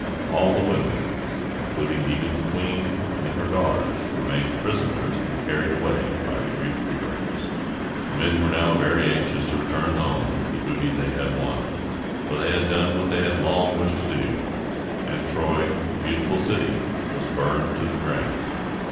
All the women, including even the queen and her daughters, were made prisoners and carried away by the Greek heroes. The men were now very anxious to return home with the booty they had won; for they had done what they had long wished to do, and Troy, the beautiful city, was burned to the ground.